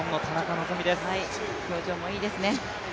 表情もいいですね。